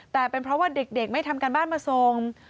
แต่เป็นเพราะว่าเด็กไม่ทำการบ้านมาส่ง